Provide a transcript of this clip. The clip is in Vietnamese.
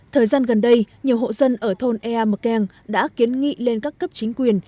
thời gian gần đây nhiều hộ dân ở thôn ea mekeng đã kiến nghị lên các cấp chính quyền